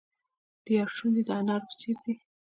د یار شونډې د انارو په څیر دي.